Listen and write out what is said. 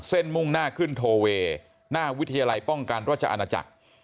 มุ่งหน้าขึ้นโทเวย์หน้าวิทยาลัยป้องกันราชอาณาจักร